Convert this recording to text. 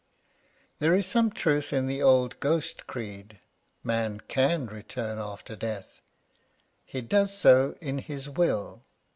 There is some truth in the old ghost creed ; man can return after death ; he does so in his will.